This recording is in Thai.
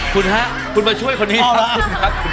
คุณฮะคุณมาช่วยคนนี้ครับ